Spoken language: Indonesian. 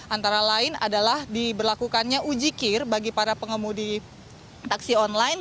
antara lain adalah diberlakukannya ujikir bagi para pengemudi taksi online